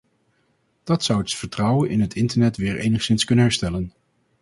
Dat zou het vertrouwen in het internet weer enigszins kunnen herstellen.